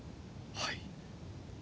はい。